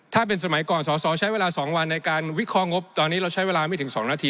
ถ้าเป็นสมัยก่อนสอสอใช้เวลา๒วันในการวิเคราะหงบตอนนี้เราใช้เวลาไม่ถึง๒นาที